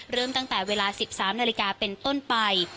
เริ่มตั้งแต่เวลา๑๓นาฬิกาเป็นต้นไป